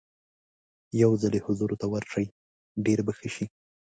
یو ځل یې حضور ته ورشئ ډېر به ښه شي.